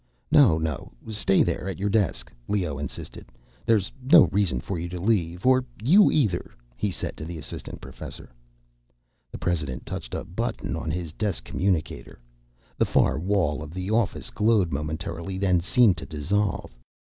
"No, no, stay there at your desk," Leoh insisted. "There's no reason for you to leave. Or you either," he said to the assistant professor. The president touched a button on his desk communicator. The far wall of the office glowed momentarily, then seemed to dissolve.